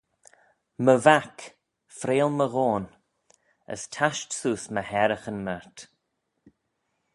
My vac, freill my ghoan, as tasht seose my haraghyn mayrt.